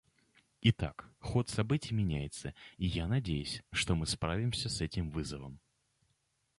Итак, ход событий меняется, и я надеюсь, что мы справимся с этим вызовом.